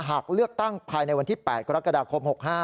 หากเลือกตั้งภายในวันที่๘กรกฎาคม๖๕